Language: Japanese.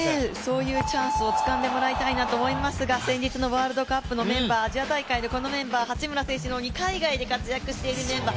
そういうチャンスをつかんでもらいたいなと思いますが先日のワールドカップのメンバー、アジア大会でこのメンバー、八村選手のように海外で活躍しているメンバー、